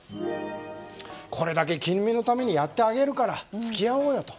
これだけ君のためにやってあげるから付き合おうよと。